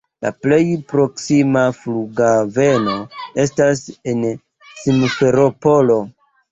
La plej proksima flughaveno estas en Simferopolo.